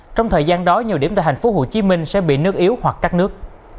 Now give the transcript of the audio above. trong thời gian đó nhiều điểm tại thành phố hồ chí minh sẽ bị nước yếu hoặc cắt nước